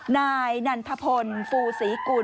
นายนันทพลฟูศรีกุล